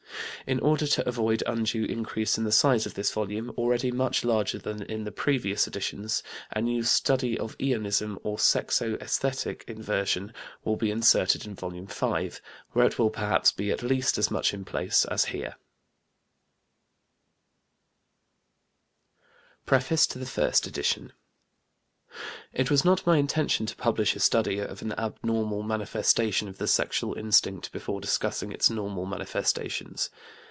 In order to avoid undue increase in the size of this volume, already much larger than in the previous editions, a new Study of Eonism, or sexo esthetic inversion, will be inserted in vol. v, where it will perhaps be at least as much in place as here. HAVELOCK ELLIS. PREFACE TO FIRST EDITION. It was not my intention to publish a study of an abnormal manifestation of the sexual instinct before discussing its normal manifestations.